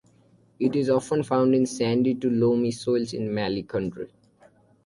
It is often found in sandy to loamy soils in mallee country.